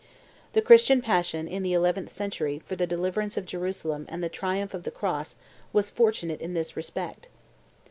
The Christian passion, in the eleventh century, for the deliverance of Jerusalem and the triumph of the Cross was fortunate in this respect.